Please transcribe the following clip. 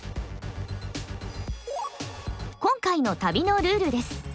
今回の旅のルールです。